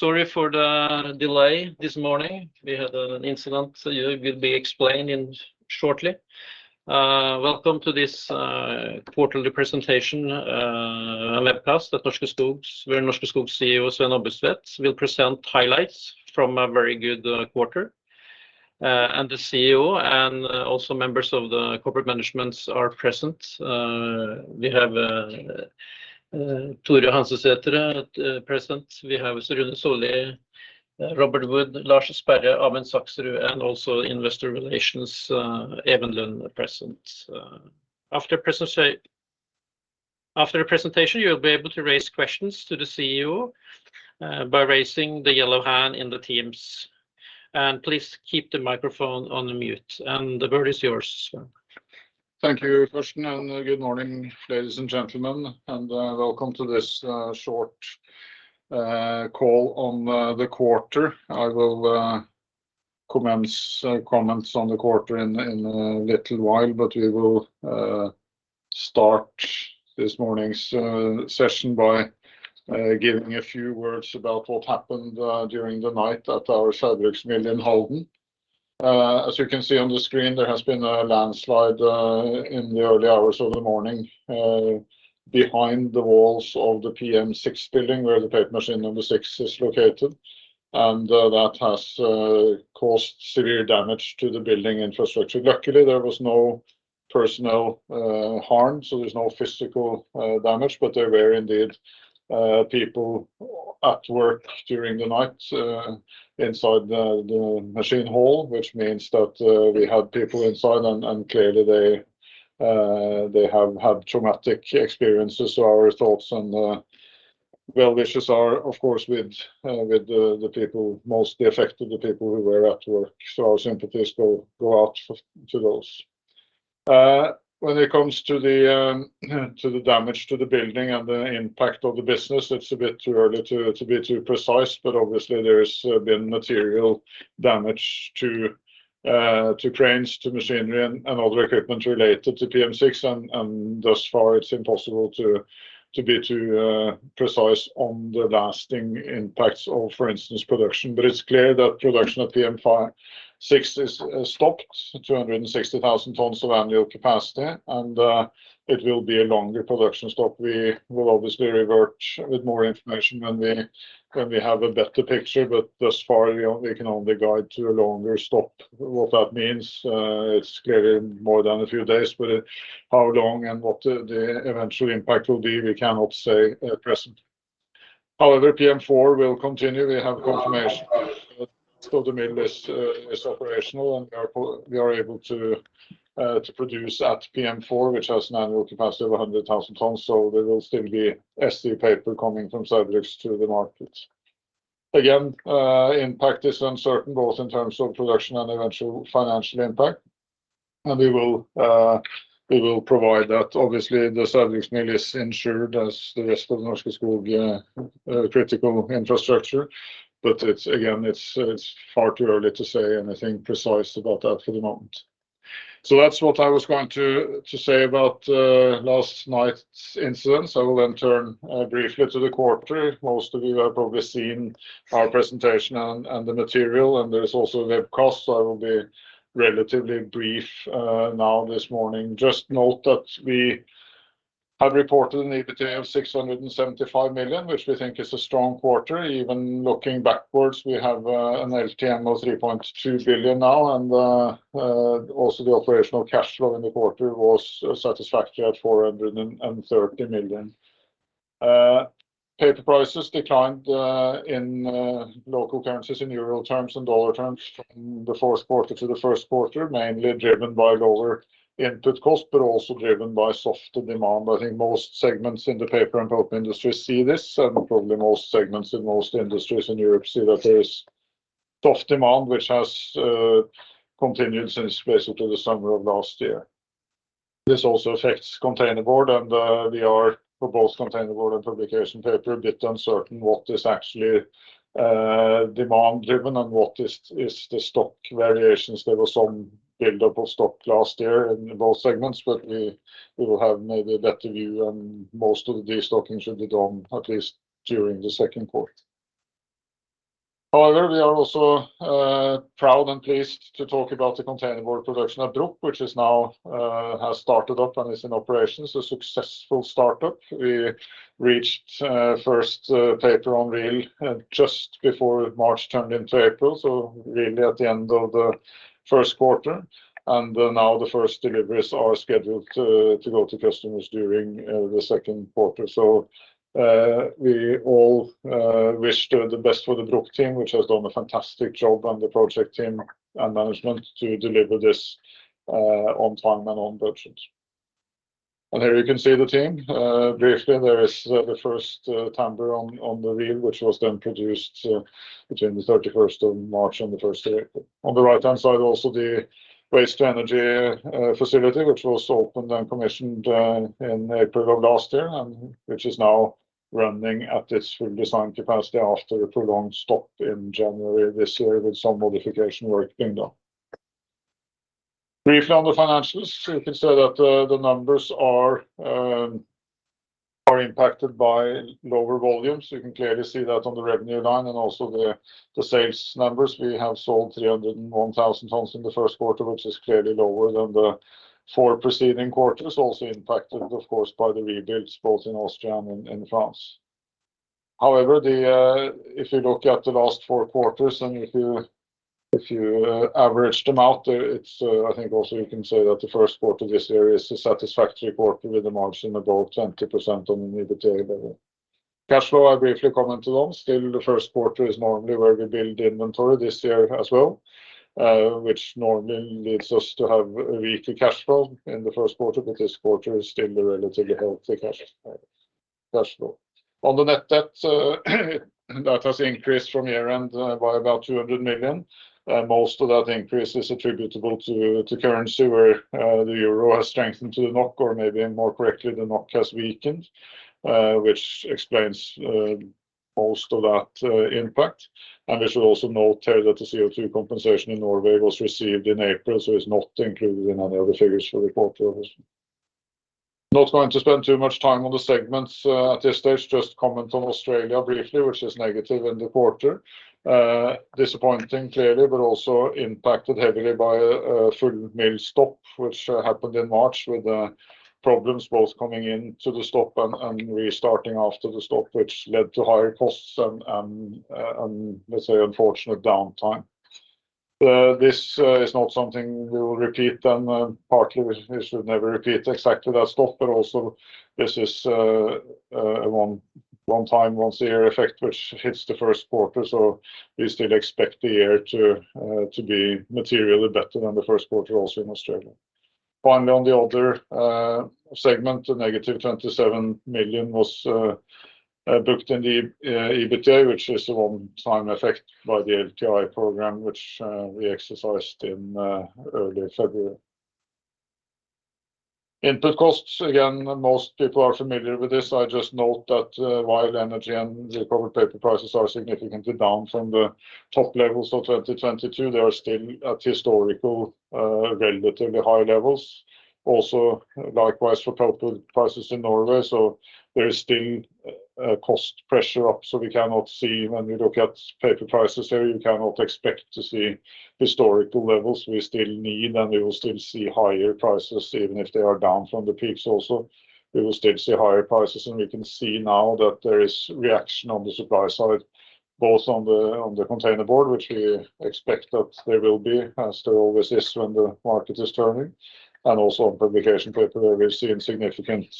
Sorry for the delay this morning. We had an incident that will be explained in shortly. Welcome to this quarterly presentation webcast at Norske Skog, where Norske Skog CEO Sven Ombudstvedt will present highlights from a very good quarter. The CEO and also members of the corporate managements are present. We have Tore Hansesætre at present. We have Rune Sollie, Robert Wood, Lars Sperre, Amund Saxrud, and also investor relations Even Lund present. After the presentation, you'll be able to raise questions to the CEO by raising the yellow hand in the Teams. Please keep the microphone on mute. The word is yours, Sven. Thank you, Karsten, and good morning, ladies and gentlemen, and welcome to this short call on the quarter. I will commence comments on the quarter in a little while, but we will start this morning's session by giving a few words about what happened during the night at our Saugbrugs mill in Halden. As you can see on the screen, there has been a landslide in the early hours of the morning behind the walls of the PM6 building where the paper machine number six is located, and that has caused severe damage to the building infrastructure. Luckily, there was no personal harm, so there's no physical damage, but there were indeed people at work during the night inside the machine hall, which means that we had people inside and clearly they have had traumatic experiences. Our thoughts and well wishes are of course with the people most affected, the people who were at work. Our sympathies go out to those. When it comes to the damage to the building and the impact of the business, it's a bit too early to be too precise, but obviously there's been material damage to cranes, to machinery and other equipment related to PM6. Thus far it's impossible to be too precise on the lasting impacts of, for instance, production. it's clear that production at PM6 is stopped, 260,000 tons of annual capacity. it will be a longer production stop. We will obviously revert with more information when we have a better picture, but thus far, we can only guide to a longer stop. What that means, it's clearly more than a few days, but how long and what the eventual impact will be, we cannot say at present. However, PM4 will continue. We have confirmation that the mill is operational, and we are able to produce at PM4, which has an annual capacity of 100,000 tons. there will still be SC paper coming from Saugbrugs to the market. Again, impact is uncertain, both in terms of production and eventual financial impact. We will, we will provide that. Obviously, the Saugbrugs mill is insured as the rest of the Norske Skog critical infrastructure, but it's again, it's far too early to say anything precise about that for the moment. That's what I was going to say about last night's incident. I will turn briefly to the quarter. Most of you have probably seen our presentation and the material, and there is also a webcast, I will be relatively brief now this morning. Just note that we have reported an EBITDA of 675 million, which we think is a strong quarter. Even looking backwards, we have an LTM of 3.2 billion now. Also the operational cash flow in the quarter was satisfactory at 430 million. Paper prices declined in local currencies in euro terms and dollar terms from the fourth quarter to the first quarter, mainly driven by lower input cost, but also driven by softer demand. I think most segments in the paper and pulp industry see this, and probably most segments in most industries in Europe see that there is soft demand, which has continued since basically the summer of last year. This also affects containerboard and we are for both containerboard and publication paper, a bit uncertain what is actually demand driven and what is the stock variations. There was some buildup of stock last year in both segments, but we will have maybe a better view and most of the destocking should be done at least during the second quarter. However, we are also proud and pleased to talk about the containerboard production at Bruck, which is now has started up and is in operations, a successful startup. We reached first paper on reel just before March turned into April, so really at the end of the first quarter. Now the first deliveries are scheduled to go to customers during the second quarter. We all wish the best for the Bruck team, which has done a fantastic job on the project team and management to deliver this on time and on budget. Here you can see the team. Briefly, there is the first timber on the reel, which was then produced between the March 31st and the April 1st. On the right-hand side, also the waste-to-energy facility, which was opened and commissioned in April of last year and which is now running at its full design capacity after a prolonged stop in January this year with some modification work being done. Briefly on the financials, you can say that the numbers are impacted by lower volumes. You can clearly see that on the revenue line and also the sales numbers. We have sold 301,000 tons in the first quarter, which is clearly lower than the four preceding quarters. Impacted, of course, by the rebuilds both in Austria and in France. The... If you look at the last four quarters and if you average them out, it's, I think also you can say that the first quarter this year is a satisfactory quarter with a margin above 20% on an EBITDA level. Cash flow, I briefly commented on. Still, the first quarter is normally where we build inventory this year as well, which normally leads us to have a weaker cash flow in the first quarter. This quarter is still a relatively healthy cash flow. On the net debt, that has increased from year-end by about 200 million. Most of that increase is attributable to currency, where the euro has strengthened to the NOK, or maybe more correctly, the NOK has weakened, which explains most of that impact. We should also note here that the CO2 compensation in Norway was received in April, so it's not included in any of the figures for the quarter. Not going to spend too much time on the segments at this stage. Just comment on Australia briefly, which is negative in the quarter. Disappointing clearly, but also impacted heavily by a full mill stop, which happened in March with problems both coming into the stop and restarting after the stop, which led to higher costs and, let's say unfortunate downtime. This is not something we will repeat, and partly we should never repeat exactly that stop, but also this is a one-time, once-a-year effect which hits the first quarter. We still expect the year to be materially better than the first quarter also in Australia. On the other segment, a negative 27 million was booked in the EBITDA, which is a one-time effect by the LTI program, which we exercised in early February. Input costs, again, most people are familiar with this. I just note that while energy and recovered paper prices are significantly down from the top levels of 2022, they are still at historical, relatively high levels. Likewise for pulpwood prices in Norway. There is still a cost pressure up, so we cannot see... When we look at paper prices here, you cannot expect to see historical levels. We still need and we will still see higher prices, even if they are down from the peaks also. We will still see higher prices, and we can see now that there is reaction on the supply side, both on the, on the containerboard, which we expect that there will be, as there always is when the market is turning, and also on publication paper, where we've seen significant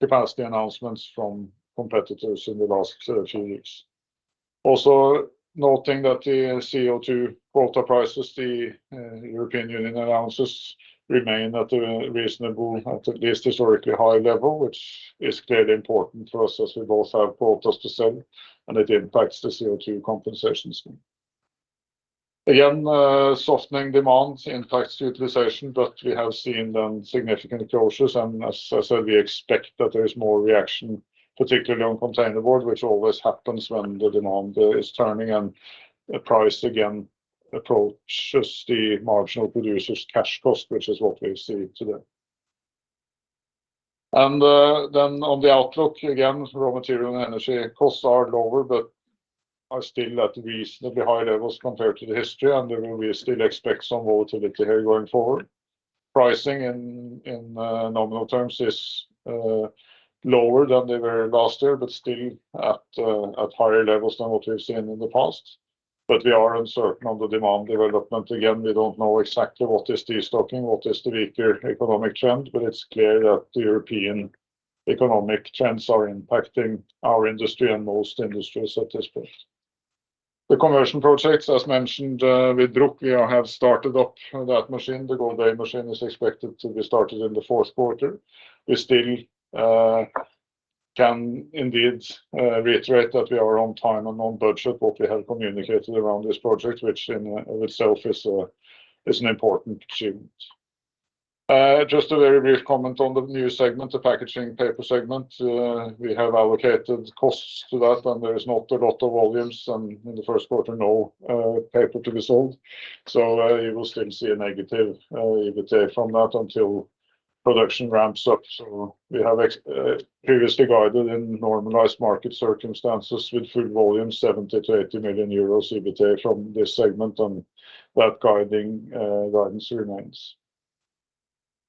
capacity announcements from competitors in the last few weeks. Also noting that the CO2 quota prices the European Union announces remain at a reasonable, at least historically high level, which is clearly important for us as we both have quotas to sell, and it impacts the CO2 compensation scheme. Again, softening demand impacts utilization, we have seen then significant closures, as I said, we expect that there is more reaction, particularly on containerboard, which always happens when the demand is turning and the price again approaches the marginal producer's cash cost, which is what we see today. Then on the outlook, again, raw material and energy costs are lower but are still at reasonably high levels compared to the history, we still expect some volatility here going forward. Pricing in nominal terms is lower than they were last year but still at higher levels than what we've seen in the past. We are uncertain on the demand development. We don't know exactly what is destocking, what is the weaker economic trend, but it's clear that the European economic trends are impacting our industry and most industries at this point. The conversion projects, as mentioned, with Bruck, we have started up that machine. The Golbey machine is expected to be started in the fourth quarter. We still can indeed reiterate that we are on time and on budget what we have communicated around this project, which in itself is an important achievement. Just a very brief comment on the new segment, the packaging paper segment. We have allocated costs to that, and there is not a lot of volumes, and in the first quarter, no paper to be sold. You will still see a negative EBITDA from that until production ramps up. We have previously guided in normalized market circumstances with full volume 70 million-80 million euros EBITDA from this segment, and that guidance remains.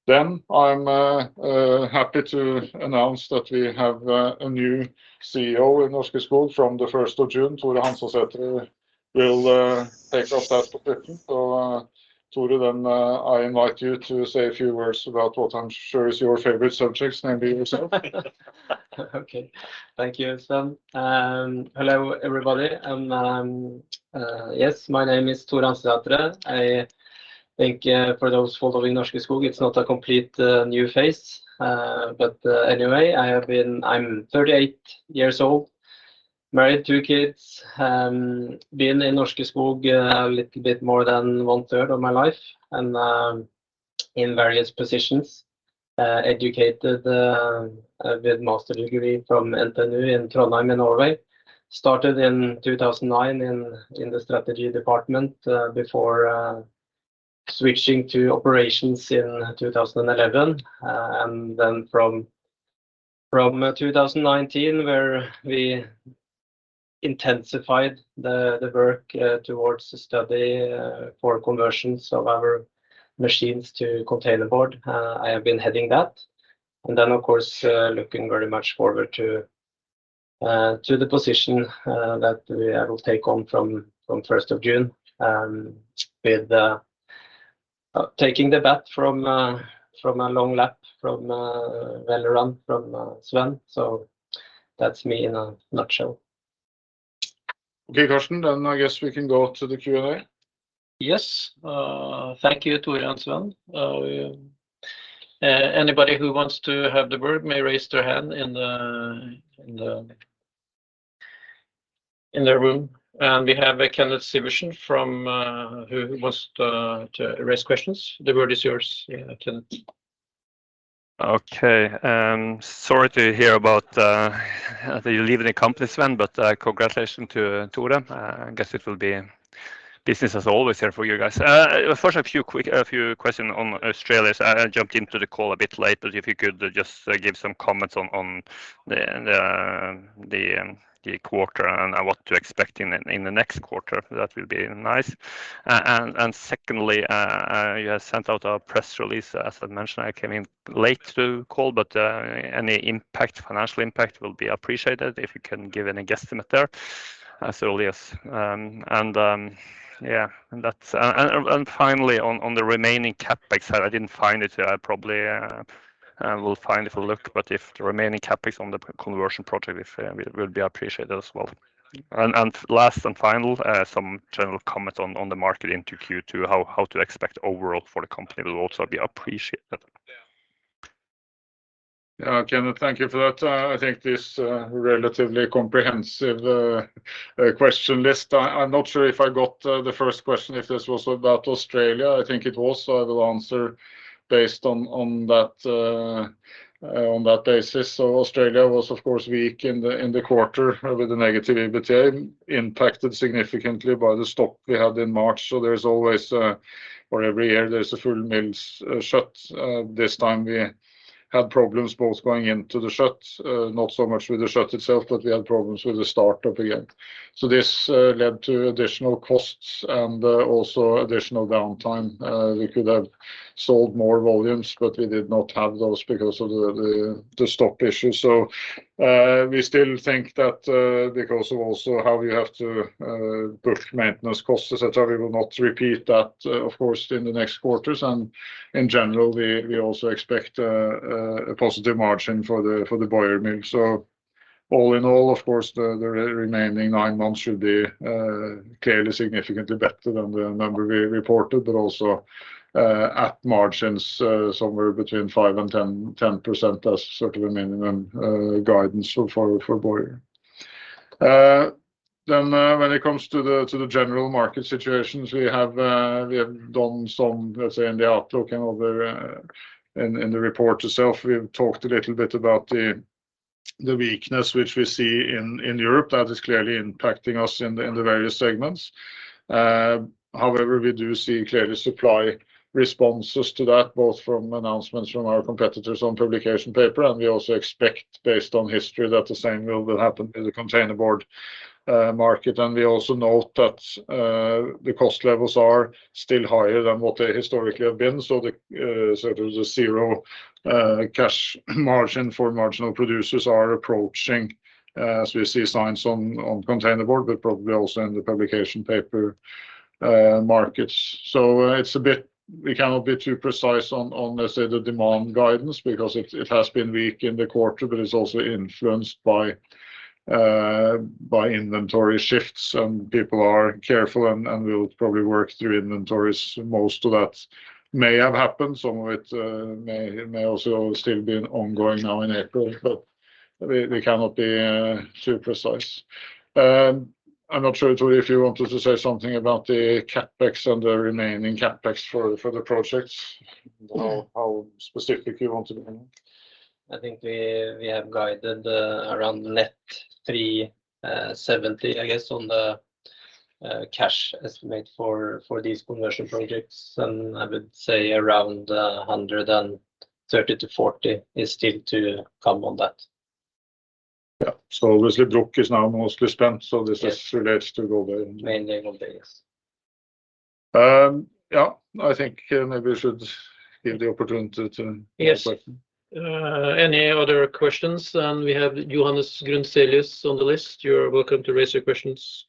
I'm happy to announce that we have a new CEO in Norske Skog from the June 1st. Tore Hansesætre will take up that position. Tore, then, I invite you to say a few words about what I'm sure is your favorite subjects, namely yourself. Thank you, Sven. Hello, everybody. Yes, my name is Tore Hansesætre. I think, for those following Norske Skog, it's not a complete new face. Anyway, I'm 38 years old, married, two kids. Been in Norske Skog a little bit more than one-third of my life and in various positions. Educated with master degree from NTNU in Trondheim in Norway. Started in 2009 in the strategy department before switching to operations in 2011. From 2019, where we intensified the work towards the study for conversions of our machines to containerboard, I have been heading that. Of course, looking very much forward to the position I will take on from 1st of June, with taking the bat from a long lap from well run from Sven. That's me in a nutshell. Okay, Karsten, I guess we can go to the Q&A. Yes. Thank you, Tor and Sven. Anybody who wants to have the word may raise their hand in the room. We have Kenneth Syversen from, who wants to raise questions. The word is yours, yeah, Kenneth. Okay. Sorry to hear about that you're leaving the company, Sven, but congratulations to Tore. I guess it will be business as always here for you guys. First, a few questions on Australia. I jumped into the call a bit late, but if you could just give some comments on the quarter and what to expect in the next quarter, that would be nice. Secondly, you have sent out a press release. As I mentioned, I came in late to call, but any impact, financial impact will be appreciated if you can give any guesstimate there. Yes. And that's... Finally, on the remaining CapEx, I didn't find it. I probably will find if I look, but if the remaining CapEx on the conversion project will be appreciated as well. Last and final, some general comment on the market into Q2, how to expect overall for the company will also be appreciated. Yeah. Yeah. Kenneth, thank you for that. I think this, relatively comprehensive, question list. I'm not sure if I got, the first question, if this was about Australia. I think it was, I will answer based on that, on that basis. Australia was of course weak in the, in the quarter with the negative EBITA impacted significantly by the stock we had in March. Every year there's a full mill shut. This time we had problems both going into the shut. Not so much with the shut itself, but we had problems with the start-up again. This, led to additional costs and, also additional downtime. We could have sold more volumes, but we did not have those because of the, the stock issue. We still think that because of also how we have to push maintenance costs, et cetera, we will not repeat that, of course, in the next quarters. In general, we also expect a positive margin for the Golbey mill. All in all, of course, the remaining nine months should be clearly significantly better than the number we reported, but also at margins somewhere between 5% and 10% as certainly minimum guidance so far for Golbey. When it comes to the general market situations, we have done some, let's say, in the outlook and over in the report itself. We've talked a little bit about the weakness which we see in Europe that is clearly impacting us in the various segments. However, we do see clearly supply responses to that, both from announcements from our competitors on publication paper, and we also expect based on history that the same will happen in the containerboard market. We also note that the cost levels are still higher than what they historically have been. The zero cash margin for marginal producers are approaching as we see signs on containerboard, but probably also in the publication paper markets. It's a bit we cannot be too precise on, let's say, the demand guidance because it has been weak in the quarter, but it's also influenced by inventory shifts, and people are careful and will probably work through inventories. Most of that may have happened. Some of it may also still be ongoing now in April, but we cannot be too precise. I'm not sure, Tore, if you wanted to say something about the CapEx and the remaining CapEx for the projects. No. How specific you want to be. I think we have guided around net 370, I guess, on the cash estimate for these conversion projects. I would say around 130-140 is still to come on that. Yeah. Obviously, Bruck is now mostly spent, so this is. Yes... relates to over. Mainly on this. Yeah. I think maybe we should give the opportunity. Yes... question. Any other questions? We have Johannes Grunselius on the list. You're welcome to raise your questions.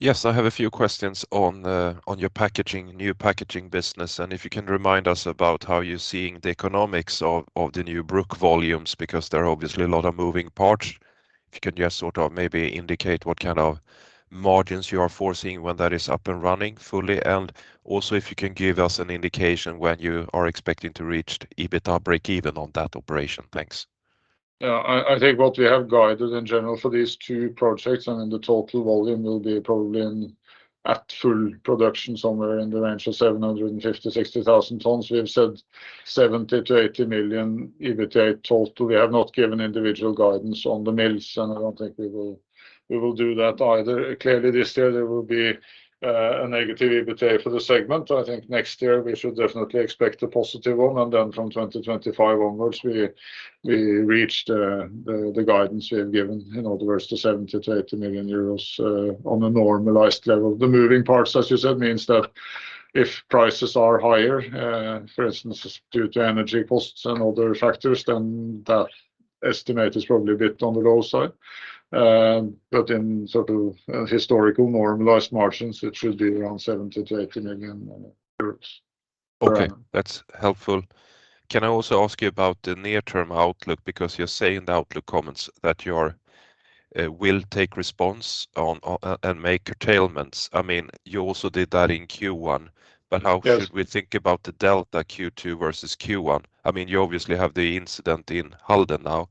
Yes. I have a few questions on your packaging, new packaging business, and if you can remind us about how you're seeing the economics of the new Bruck volumes, because there are obviously a lot of moving parts. If you could just sort of maybe indicate what kind of margins you are foresee when that is up and running fully. Also, if you can give us an indication when you are expecting to reach the EBITDA break-even on that operation. Thanks. I think what we have guided in general for these two projects and then the total volume will be probably in at full production somewhere in the range of 750,000-760,000 tons. We have said 70 million-80 million EBITDA total. We have not given individual guidance on the mills. I don't think we will do that either. Clearly this year there will be a negative EBITDA for the segment. I think next year we should definitely expect a positive one. From 2025 onwards, we reached the guidance we have given, in other words, the 70 million-80 million euros, on a normalized level. The moving parts, as you said, means that if prices are higher, for instance, due to energy costs and other factors, then that estimate is probably a bit on the low side. In sort of, historical normalized margins, it should be around 70 million-80 million euros. Okay. That's helpful. Can I also ask you about the near-term outlook? You're saying the outlook comments that you are will take response on and make curtailments. I mean, you also did that in Q1. Yes. How should we think about the delta Q2 versus Q1? I mean, you obviously have the incident in Halden now.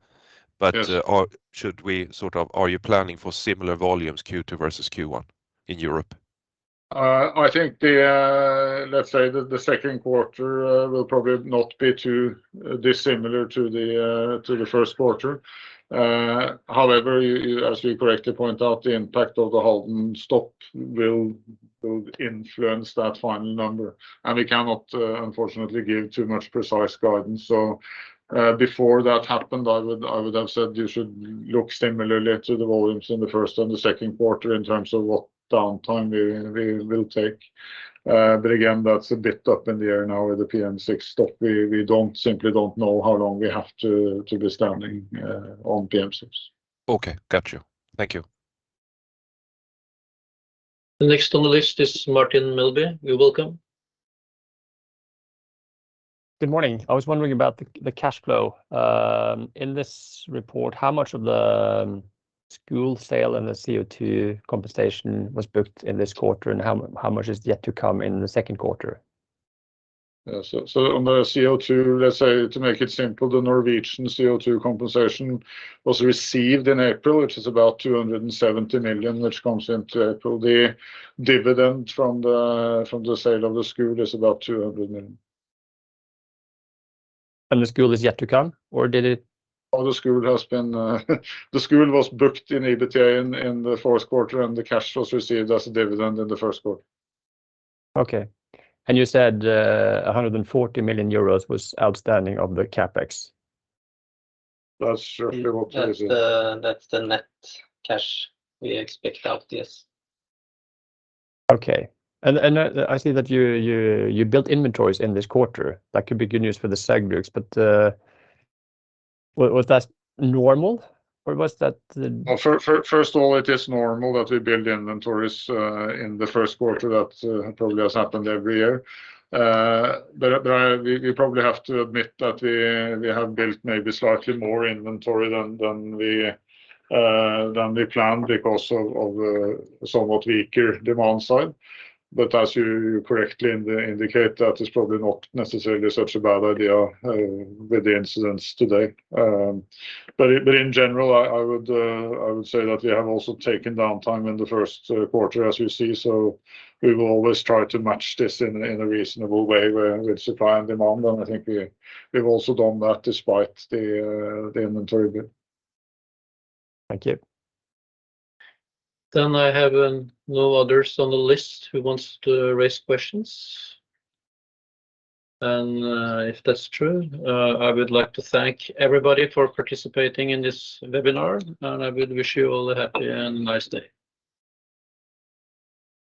Yes. Are you planning for similar volumes Q2 versus Q1 in Europe? I think the, Let's say the second quarter, will probably not be too dissimilar to the, to the first quarter. However, as you correctly point out, the impact of the Halden stop will influence that final number. We cannot, unfortunately give too much precise guidance. Before that happened, I would have said you should look similarly to the volumes in the first and the second quarter in terms of what downtime we will take. Again, that's a bit up in the air now with the PM6 stop. We simply don't know how long we have to be standing on PM6. Okay. Got you. Thank you. Next on the list is Martin Mølbach. You're welcome. Good morning. I was wondering about the cash flow. In this report, how much of the Skog sale and the CO2 compensation was booked in this quarter, and how much is yet to come in the second quarter? On the CO2, let's say, to make it simple, the Norwegian CO2 compensation was received in April, which is about 270 million, which comes into April. The dividend from the sale of the Skog is about 200 million. The Skog is yet to come, or did it? The Skog was booked in EBITDA in the fourth quarter, and the cash was received as a dividend in the first quarter. Okay. You said, 140 million euros was outstanding of the CapEx. That's roughly what we said. That's the net cash we expect out, yes. Okay. I see that you built inventories in this quarter. That could be good news for the segment. Was that normal, or was that? Well, first of all, it is normal that we build inventories in the first quarter. Probably has happened every year. We probably have to admit that we have built maybe slightly more inventory than we planned because of somewhat weaker demand side. As you correctly indicate, that is probably not necessarily such a bad idea with the incidents today. In general, I would say that we have also taken downtime in the first quarter, as you see. We will always try to match this in a reasonable way with supply and demand. I think we've also done that despite the inventory build. Thank you. I have no others on the list who wants to raise questions. If that's true, I would like to thank everybody for participating in this webinar, and I would wish you all a happy and nice day.